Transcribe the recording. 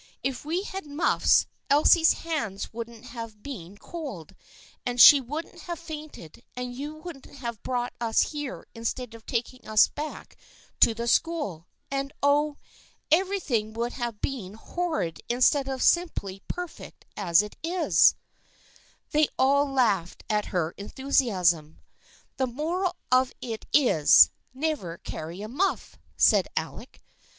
If we had had muffs, Elsie's hands wouldn't have been cold and she wouldn't have fainted and you wouldn't have brought us here instead of taking us back to the school, and — oh, everything would have been horrid instead of being simply perfect as it is !" 140 THE FRIENDSHIP OF ANNE They all laughed at her enthusiasm. " The moral of it is, never carry a muff," said Alec.